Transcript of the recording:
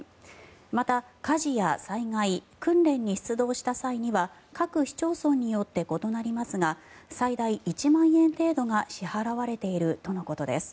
また、火事や災害、訓練に出動した際には各市町村によって異なりますが最大１万円程度が支払われているとのことです。